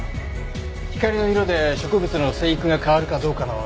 光の色で植物の生育が変わるかどうかの実験ですね。